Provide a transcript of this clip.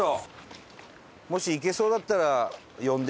もし行けそうだったら呼んで。